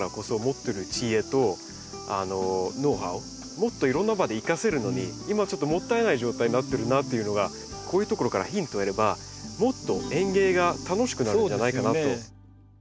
もっといろんな場で生かせるのに今ちょっともったいない状態になってるなっていうのがこういうところからヒントを得ればもっと園芸が楽しくなるんじゃないかなと。